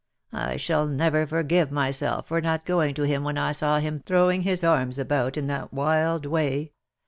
I shall never forgive myself for not going to him when I saw him throwing his arms about in that wild way.